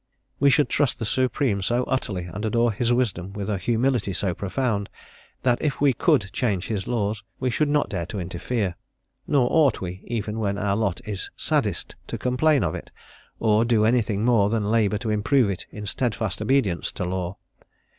We should trust the Supreme so utterly, and adore His wisdom with a humility so profound, that if we could change His laws we should not dare to interfere; nor ought we, even when our lot is saddest, to complain of it, or do anything more than labour to improve it in steadfast obedience to law.